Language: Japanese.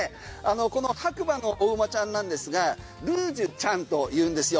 この白馬のお馬ちゃんですがルージュちゃんと言うんですよ。